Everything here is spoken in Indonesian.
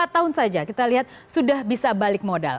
lima tahun saja kita lihat sudah bisa balik modal